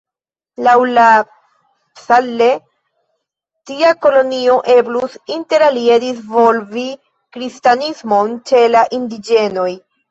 Laŭ La Salle, tia kolonio eblus interalie disvolvi kristanismon ĉe la indiĝenoj.